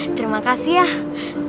terima kasih ya